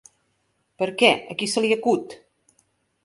Perquè, a qui se li acut?